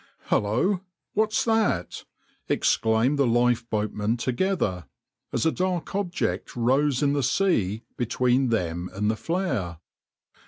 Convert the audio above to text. \par "Hullo! what's that?" exclaimed the lifeboatmen together, as a dark object rose in the sea between them and the flare.